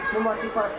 senang dan bahagia